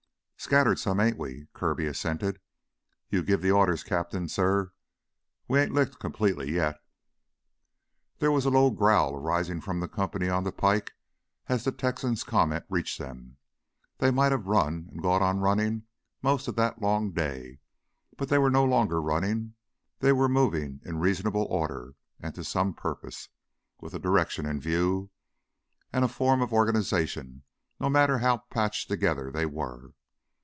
"Scattered some, ain't we?" Kirby assented. "You give the orders, Cap'n, suh. We ain't licked complete yet." There was a low growl arising from the company on the pike as the Texan's comment reached them. They might have run and gone on running most of that long day, but they were no longer running; they were moving in reasonable order and to some purpose, with a direction in view and a form of organization, no matter how patched together they were.